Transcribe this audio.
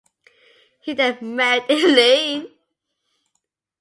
He then married Eileen.